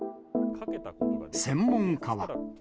専門家は。